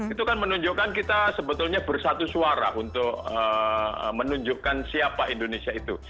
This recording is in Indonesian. itu kan menunjukkan kita sebetulnya bersatu suara untuk menunjukkan siapa indonesia itu